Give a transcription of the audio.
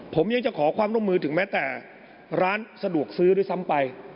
ผมยังจะขอความร่วมมือถึงแม้แต่ร้านสะดวกซื้อด้วยซ้ำไป